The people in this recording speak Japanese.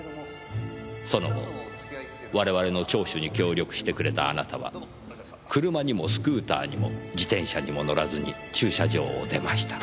その後我々の聴取に協力してくれたあなたは車にもスクーターにも自転車にも乗らずに駐車場を出ました。